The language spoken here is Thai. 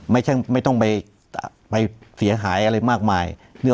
ไม่ต้องไปเสียหายอะไรมากมาย